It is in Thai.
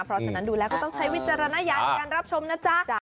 เพราะฉะนั้นดูแล้วก็ต้องใช้วิจารณญาณในการรับชมนะจ๊ะ